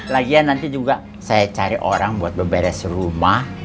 lagian nanti juga saya cari orang buat berberes rumah